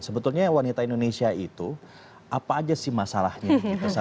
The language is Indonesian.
sebetulnya wanita indonesia itu apa aja sih masalahnya